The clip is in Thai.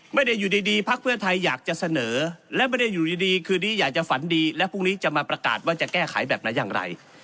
ไม่ได้อยู่ดีพักเพื่อไทยอยากจะเสนอและไม่ได้อยู่ดีคืนนี้อยากจะฝันดีและพรุ่งนี้จะมาประกาศว่าจะแก้ไขแบบไหนอย่างไร